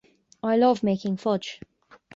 I love making fudge.